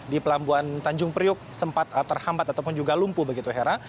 di pelabuhan tanjung priuk sempat terhambat ataupun juga lumpuh begitu hera